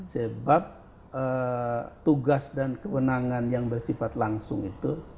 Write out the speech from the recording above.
sebab tugas dan kewenangan yang bersifat langsung itu